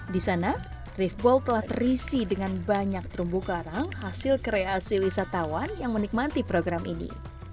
di sana riftball telah terisi dengan banyak terumbu karang hasil kreasi wisatawan yang menikmati program ini